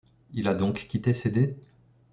il a donc quitté ses dés ?